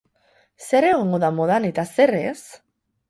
Zer egongo da modan eta zer ez?